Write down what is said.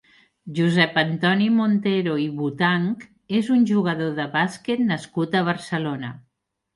Josep Antoni Montero i Botanch és un jugador de bàsquet nascut a Barcelona.